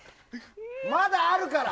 まだあるから！